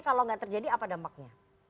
kalau nggak terjadi apa dampaknya